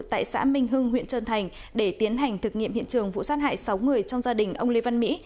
tại xã minh hưng huyện trơn thành để tiến hành thực nghiệm hiện trường vụ sát hại sáu người trong gia đình ông lê văn mỹ